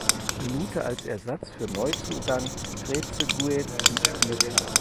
Minute als Ersatz für Neuzugang Trezeguet ins Spiel kam.